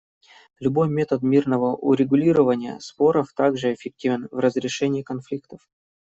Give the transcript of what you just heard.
Любой метод мирного урегулирования споров также эффективен в разрешении конфликтов.